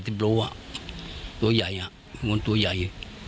๗๐๘๐กิโลกรัมตัวใหญ่มันตัวใหญ่